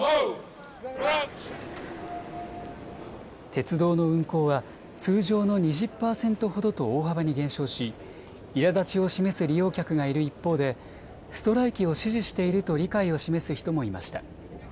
鉄道の運行は通常の２０％ほどと大幅に減少し、いらだちを示す利用客がいる一方でストライキを支持していると理解を示す人もいました。